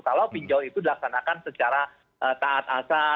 kalau pinjol itu dilaksanakan secara taat asa